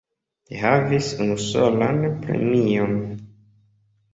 Li havis unusolan premion.